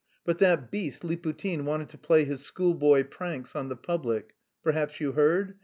But that beast Liputin wanted to play his schoolboy pranks on the public perhaps you heard?